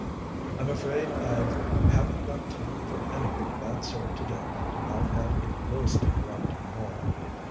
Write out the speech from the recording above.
"I'm afraid I haven't got time for anything of that sort today. I've had a most interrupted morning.